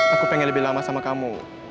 aku pengen lebih lama sama kamu